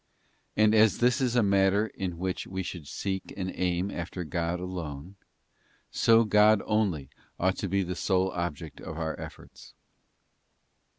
And as this is a matter in which we should seek and aim after God alone; so God only ought to be the sole object of our efforts.